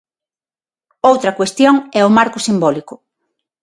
Outra cuestión é o marco simbólico.